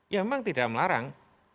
ya memang tidak melarang